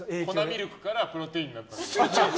粉ミルクからプロテインになったんだよね。